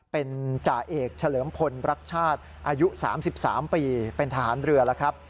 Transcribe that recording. เป็นจ่าเอกเฉลิมพลรักชาติอายุ๓๓ปีเป็นทหารเรือแล้วครับ